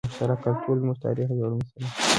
مشترک کلتور زموږ تاریخ او ویاړونه سره نښلوي.